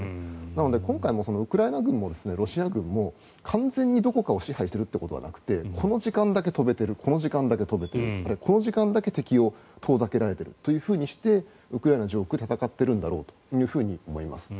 なので、今回もウクライナ軍もロシア軍も完全にどこかを支配しているということはなくてこの時間だけ飛べているあるいはこの時間だけ敵を遠ざけられているというようにしてウクライナ上空で戦っているんだと思います。